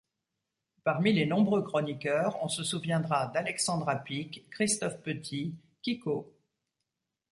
Parmi les nombreux chroniqueurs, on se souviendra d'Alexandra Pic, Christophe Petit, Kiko.